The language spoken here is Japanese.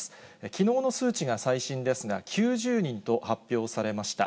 きのうの数値が最新ですが、９０人と発表されました。